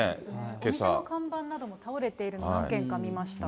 お店の看板なども倒れているのを何軒か見ました。